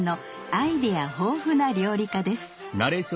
アイデア豊富な料理家です。